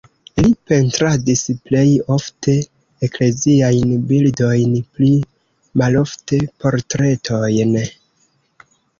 Li pentradis plej ofte ekleziajn bildojn, pli malofte portretojn.